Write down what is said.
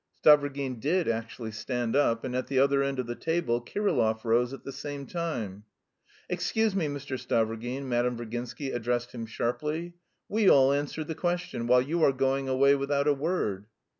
Stavrogin did actually stand up, and at the other end of the table Kirillov rose at the same time. "Excuse me, Mr. Stavrogin," Madame Virginsky addressed him sharply, "we all answered the question, while you are going away without a word."